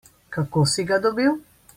Kako si ga dobil?